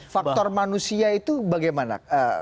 faktor manusia itu bagaimana